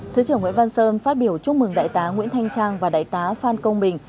thứ trưởng nguyễn văn sơn phát biểu chúc mừng đại tá nguyễn thanh trang và đại tá phan công bình